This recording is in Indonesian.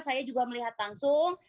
saya juga melihat langsung